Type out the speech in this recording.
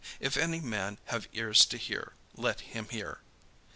If any man have ears to hear, let him hear."